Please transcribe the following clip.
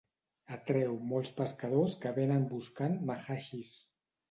Atreu molts pescadors que venen buscant mahasheers.